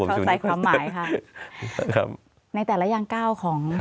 ชอบใส่คำหมายค่ะครับในแต่ละอย่างก้าวของครับ